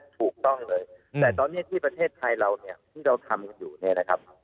ถูกต้องเลยแต่ตอนนี้ที่ประเทศไทยเราเนี่ยที่เราทำกันอยู่เนี่ยนะครับ